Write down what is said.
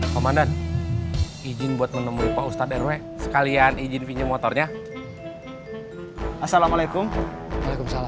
komandan ijin buat menemui pak ustadz rw sekalian ijin pinjam motornya assalamualaikum waalaikumsalam